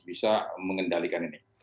bisa mengendalikan ini